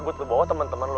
misalnya bener tuh